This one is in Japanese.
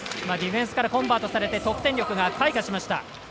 ディフェンスからコンバートされて得点力が開花しました。